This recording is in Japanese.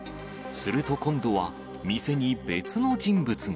すると今度は店に別の人物が。